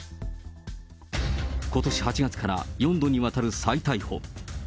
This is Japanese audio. ことし８月から４度にわたる再逮捕。